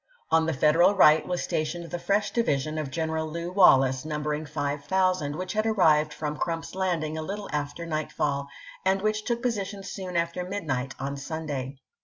On the Federal right was stationed the fresh division of Greneral Lew. Wal lace, numbering 5000, which had arrived from Crump's Lauding a little after nightfall, and which took position soon after midnight of Sunday.